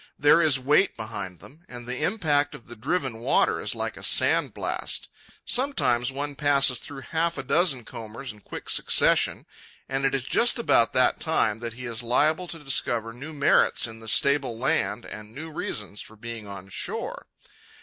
There is weight behind them, and the impact of the driven water is like a sandblast. Sometimes one passes through half a dozen combers in quick succession, and it is just about that time that he is liable to discover new merits in the stable land and new reasons for being on shore.